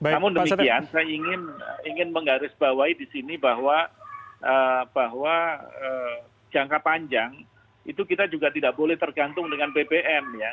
namun demikian saya ingin menggarisbawahi di sini bahwa jangka panjang itu kita juga tidak boleh tergantung dengan bbm ya